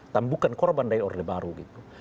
dan bukan korban dari orde baru gitu